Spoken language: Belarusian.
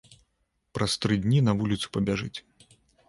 Праз тры дні на вуліцу пабяжыць.